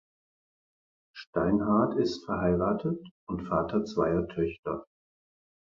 Steinhart ist verheiratet und Vater zweier Töchter.